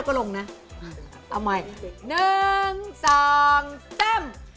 ก็ลงนะเอาใหม่หนึ่งสองเต้ม